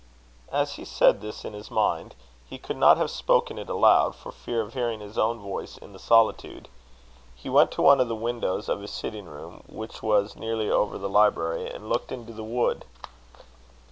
As he said this in his mind, he could not have spoken it aloud, for fear of hearing his own voice in the solitude, he went to one of the windows of his sitting room, which was nearly over the library, and looked into the wood.